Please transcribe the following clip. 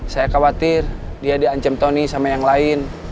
saya khawatir dia diancam tony sama yang lain